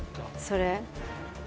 それ？